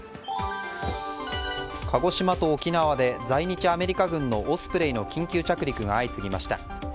鹿児島と沖縄で在日アメリカ軍のオスプレイの緊急着陸が相次ぎました。